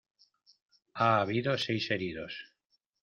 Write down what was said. Ha habido seis heridos.